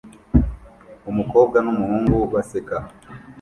Umukobwa n'umuhungu baseka